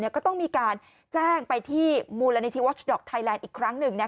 ก็ต้องมีการแจ้งไปที่มูลนิธิวัชดอกไทยแลนด์อีกครั้งหนึ่ง